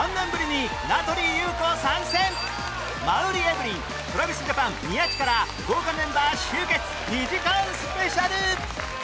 馬瓜エブリン ＴｒａｖｉｓＪａｐａｎ 宮近ら豪華メンバー集結２時間スペシャル